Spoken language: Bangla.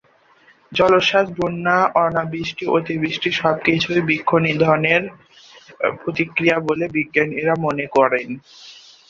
জলোচ্ছাস, বন্যা, অনাবৃষ্টি, অতিবৃষ্টি সব কিছুই বৃক্ষনিধণের প্রতিক্রিয়া বলে বিজ্ঞানীরা মনে করছেন।